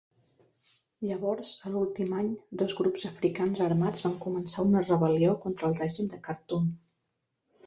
Llavors, a l"últim any, dos grups africans armats van començar una rebel·lió contra el règim de Khartum.